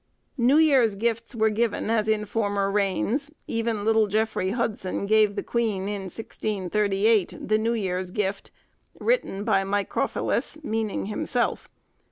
New Year's Gifts were given as in former reigns; even little Jeffery Hudson gave the queen in 1638, 'The New Year's Gift,' written by Microphilus, meaning himself.